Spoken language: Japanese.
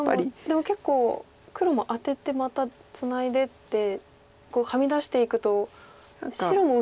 でも結構黒もアテてまたツナいでってはみ出していくと白も薄みありますよね。